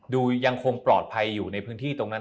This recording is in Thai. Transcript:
ยังคงปลอดภัยอยู่ในพื้นที่ตรงนั้น